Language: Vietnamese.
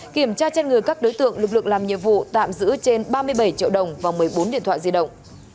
kiểm tra trên người các đối tượng lực lượng làm nhiệm vụ tạm giữ trên ba mươi bảy triệu đồng và một mươi bốn điện thoại di động